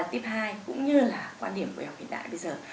tiếp hai cũng như là quan điểm của đại học hiện đại bây giờ